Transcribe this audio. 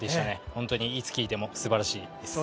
本当にいつ聴いてもすばらしいです。